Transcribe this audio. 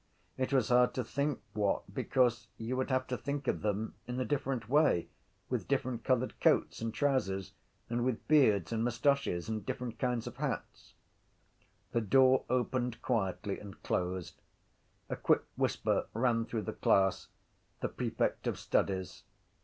It was hard to think what because you would have to think of them in a different way with different coloured coats and trousers and with beards and moustaches and different kinds of hats. The door opened quietly and closed. A quick whisper ran through the class: the prefect of studies.